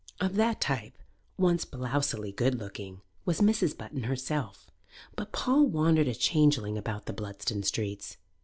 Of that type, once blowsily good looking, was Mrs. Button herself. But Paul wandered a changeling about the Bludston streets.